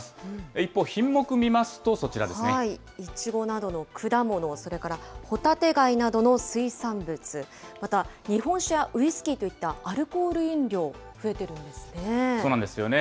一方、いちごなどの果物、それからホタテ貝などの水産物、また日本酒やウイスキーといったアルコール飲料、増えているんでそうなんですよね。